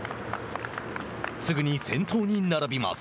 すぐに先頭に並びます。